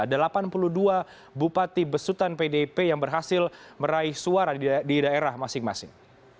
ada delapan puluh dua bupati besutan pdip yang berhasil meraih suara di daerah masing masing